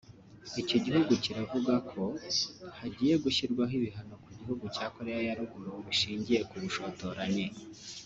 iki gihugu kiravuga ko hagiye gushyirwaho ibihano ku gihugu cya Koreya ya Ruguru bishingiye ku bushotoranyi